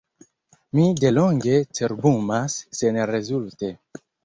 Mi delonge cerbumas senrezulte.